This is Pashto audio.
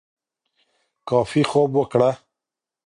کافي خوب وکړه